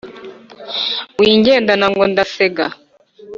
wingendana ngo ndasega.